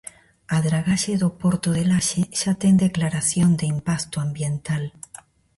A dragaxe do porto de Laxe xa ten declaración de impacto ambiental.